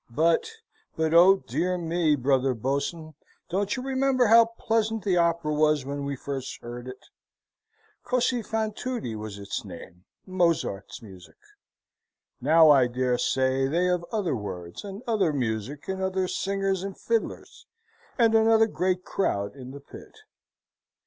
But but oh, dear me, Brother Boatswain! Don't you remember how pleasant the opera was when we first heard it? Cosi fan tutti was its name Mozart's music. Now, I dare say, they have other words, and other music, and other singers and fiddlers, and another great crowd in the pit.